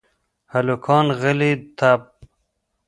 هلکان غلي دپ .